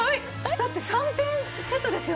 だって３点セットですよね？